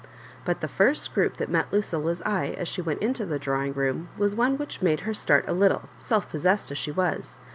But the first group that met Lucilla's eye as she went into the drawing room was one which made her start a little, self possessed as she was.